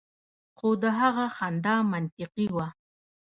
خو د هغه خندا منطقي وه